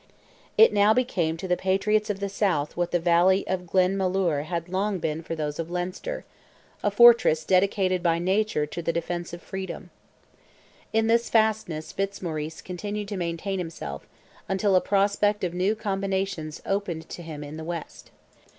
It now became to the patriots of the South what the valley of Glenmalure had long been for those of Leinster—a fortress dedicated by Nature to the defence of freedom. In this fastness Fitzmaurice continued to maintain himself, until a prospect of new combinations opened to him in the West.